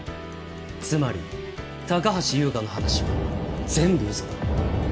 つまり高橋優花の話は全部嘘だ。